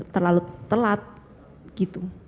terlalu telat gitu